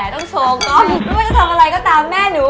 ต้องโชว์กล้องหรือไม่ได้แต่เก็บไม่ว่าจะทำอะไรก็ตามแม่หนู